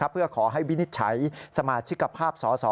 เพื่อขอให้วินิจฉัยสมาชิกภาพสส